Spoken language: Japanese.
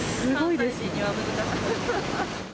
関西人には難しかった。